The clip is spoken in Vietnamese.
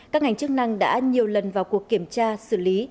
các ngành chức năng đã nhiều lần vào cuộc kiểm tra xử lý